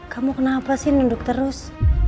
kamu kenapa sih nunduk terus